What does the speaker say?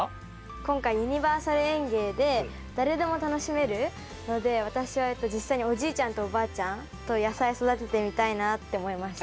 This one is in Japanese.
今回ユニバーサル園芸で誰でも楽しめるので私は実際におじいちゃんとおばあちゃんと野菜育ててみたいなって思いました。